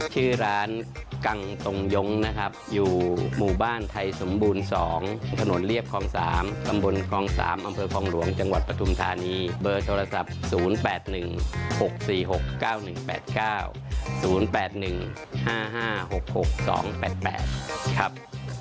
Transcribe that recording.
ชื่อร้านกังตรงย้งนะครับอยู่หมู่บ้านไทยสมบูรณ์๒ถนนเรียบคลอง๓ตำบลคลอง๓อำเภอคลองหลวงจังหวัดปฐุมธานีเบอร์โทรศัพท์๐๘๑๖๔๖๙๑๘๙๐๘๑๕๕๖๖๒๘๘ครับ